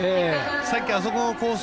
さっき、あそこのコース